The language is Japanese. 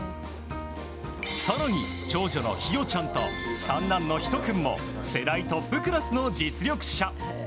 更に、長女の姫ちゃんと三男の仙君も世代トップクラスの実力者。